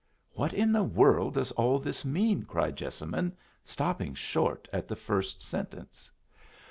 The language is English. "What in the world does all this mean?" cried Jessamine, stopping short at the first sentence.